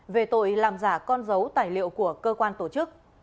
về tội làm giả con dấu tài liệu của cơ quan tổ chức